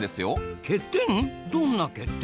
どんな欠点？